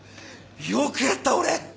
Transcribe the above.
よくやった俺！